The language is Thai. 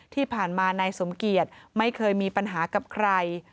ที่ผ่านมานายสมเกียจไม่เคยมีปัญหากับใคร